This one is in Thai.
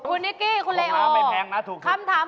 ของน้ำไม่แพงน้ำถูกสุด